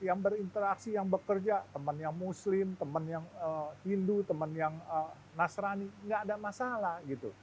yang berinteraksi yang bekerja teman yang muslim teman yang hindu teman yang nasrani nggak ada masalah gitu